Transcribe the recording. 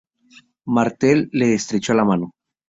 Martel le estrechó la mano.